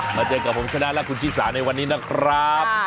มาเจอกับผมชนะและคุณชิสาในวันนี้นะครับ